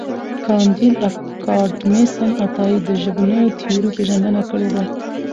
کانديد اکاډميسن عطایي د ژبنیو تیورۍ پېژندنه کړې ده.